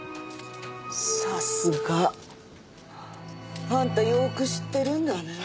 さすが。あんたよく知ってるんだね。